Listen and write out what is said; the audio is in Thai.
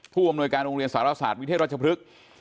ผู้อำนวยการโรงเรียนสารศาสตร์วิเทศรัชพฤกษ์